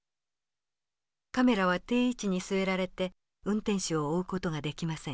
カメラは定位置に据えられて運転手を追う事ができません。